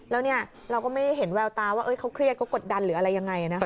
แล้วเนี่ยเราก็ไม่เห็นแววตาว่าเขาเครียดเขากดดันหรืออะไรยังไงนะคะ